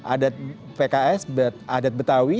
adat pks adat betawi